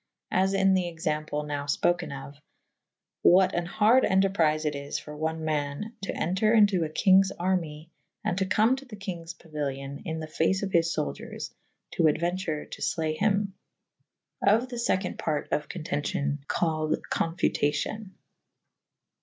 As in the example nowe ipokew of / what an harde enterprife it is for one man to entre into a kynges annye / and to come to the kynges pauilio« in the face of his fouldiers to aduenture to flee hym. Of the feconde part of contencion / called confutacion.